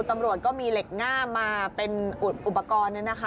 ตำรวจก็มีเหล็กง่ามาเป็นอุปกรณ์